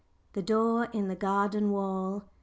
THE DOOR IN THE GARDEN WALL.